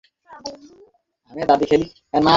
ভাইয়া, আরেক প্লেট দিন।